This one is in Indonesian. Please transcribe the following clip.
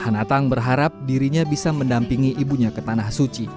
hanatang berharap dirinya bisa mendampingi ibunya ke tanah suci